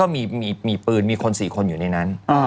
มีปืนมีคน๔คนอยู่ในนั้น